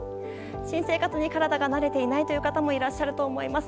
新生活に体が慣れていない方もいらっしゃると思います。